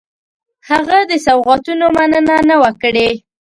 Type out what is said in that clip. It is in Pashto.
هغه د سوغاتونو مننه نه وه کړې.